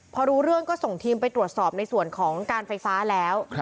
พอรู้เรื่องก็ส่งทีมไปตรวจสอบในส่วนของการไฟฟ้าแล้ว